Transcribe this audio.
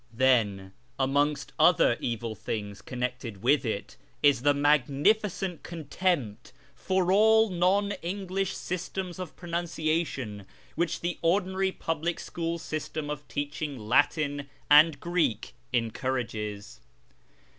Then, amongst other evil things connected with it, is the magnificent contempt for all non English systems of pronuncia tion which the ordinary public school system of teaching Latin and Greek encourages.